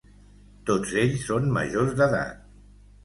Tots ells són majors d’edat.